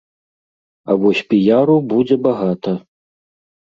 А вось піяру будзе багата.